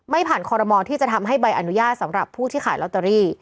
ผ่านคอรมอลที่จะทำให้ใบอนุญาตสำหรับผู้ที่ขายลอตเตอรี่